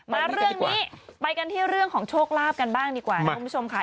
มาเรื่องนี้ไปกันที่เรื่องของโชคลาภกันบ้างดีกว่านะคุณผู้ชมค่ะ